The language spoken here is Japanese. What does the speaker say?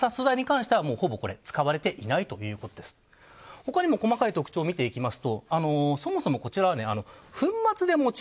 他にも細かい特徴を見ていきます。